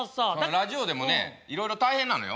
ラジオでもねいろいろ大変なのよ。